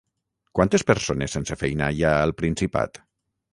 Quantes persones sense feina hi ha al Principat?